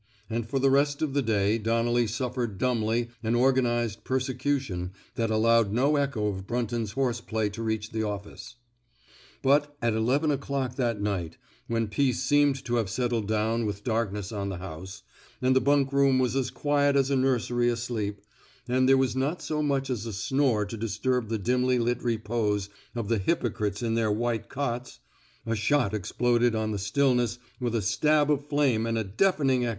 And for the rest of the day Donnelly suffered dumbly an organized persecution that al lowed no echo of Brunton's horse play to reach the office. But, at eleven o'clock that night — when peace seemed to have settled down with dark ness on the house, and the bunk room was as quiet as a nursery asleep, and there was not so much as a snore to disturb the dimly lit repose of the hypocrites in their white cots — a shot exploded on the stillness with a stab of flame and a deafening echo.